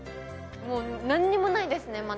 もう何にもないですね